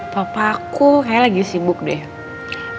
papaku kayaknya lagi sibuk deh